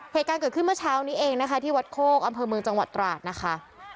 เหตุการณ์เกิดขึ้นเมื่อเช้านี้เองนะคะที่วัดโคกอำเภอเมืองจังหวัดตราดนะคะ